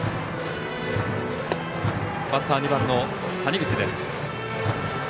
バッター、２番の谷口です。